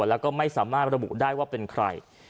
แล้วก็ไม่สามารถระบุได้ว่าเป็นใคร